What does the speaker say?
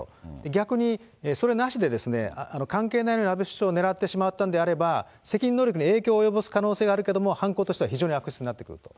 逆にそれなしで、関係ないのに安倍首相を狙ってしまったのであれば、責任能力に影響を及ぼす可能性はあるけども犯行としては非常に悪質になってくると。